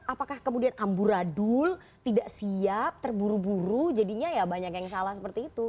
apakah kemudian amburadul tidak siap terburu buru jadinya ya banyak yang salah seperti itu